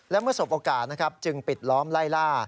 และเมื่อสบโอกาสนะครับจึงปิดล้อมไล่ล่า